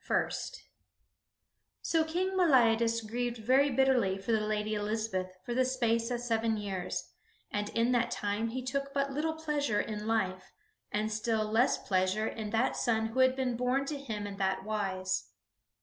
_ So King Meliadus grieved very bitterly for the Lady Elizabeth for the space of seven years, and in that time he took but little pleasure in life, and still less pleasure in that son who had been born to him in that wise.